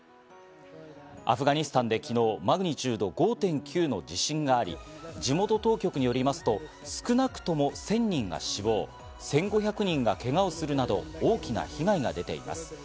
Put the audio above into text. アフガニスタンで昨日、マグニチュード５．９の地震があり、地元当局によりますと少なくとも１０００人が死亡、１５００人がけがをするなど大きな被害が出ています。